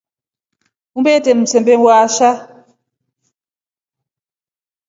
Umbe itre msembe waasha.